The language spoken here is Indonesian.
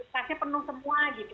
kasnya penuh semua gitu